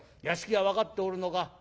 屋敷は分かっておるのか？